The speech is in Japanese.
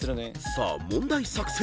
［さあ問題作成。